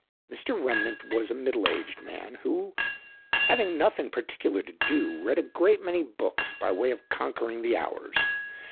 Mr. Remnant was a middle aged man, who, having nothing particular to do, read a great many books by way of conquering the hours.